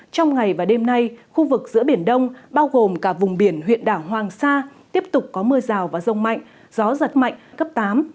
trong ngày và đêm nay khu vực giữa biển đông bao gồm cả vùng biển huyện đảo hoàng sa tiếp tục có mưa rào và rông mạnh gió giật mạnh cấp tám